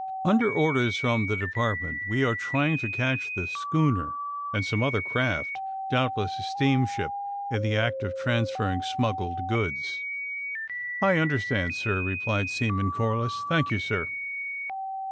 Under or ders from the Department we are trying to catch the schooner and some other craft, doubtless a steamship, in the act of transferring smuggled goods." ^^I understand, sir," replied Seaman Corliss. '^ Thank you, sir."